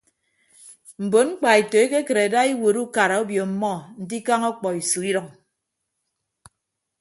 Mbon mkpaeto ekekịt ada iwuot ukara obio ọmmọ nte ikañ ọkpọiso idʌñ.